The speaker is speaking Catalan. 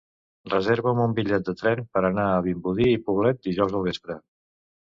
Reserva'm un bitllet de tren per anar a Vimbodí i Poblet dijous al vespre.